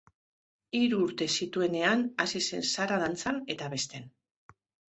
Hiru urte zituenean hasi zen Sara dantzan eta abesten.